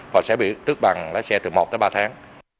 và sẽ bị tước bằng lái xe từ một tới ba tháng